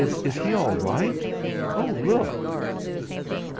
Is he all right? Oh, look!"